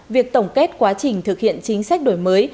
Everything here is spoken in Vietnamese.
việc tổng kết quá trình thực hiện chính sách đổi mới